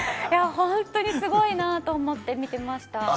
いや本当にすごいなと思って見てました。